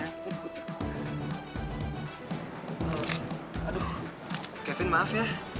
aduh kevin maaf ya